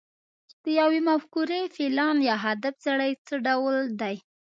چې د يوې مفکورې، پلان، يا هدف زړی څه ډول دی؟